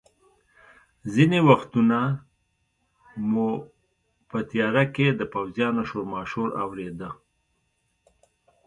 ځینې وختونه مو په تیاره کې د پوځیانو شورماشور اورېده.